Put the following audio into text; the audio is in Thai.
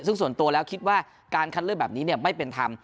ซึ่งส่วนตัวแล้วคิดว่าการคัดเลือกแบบนี้ไม่เป็นธรรม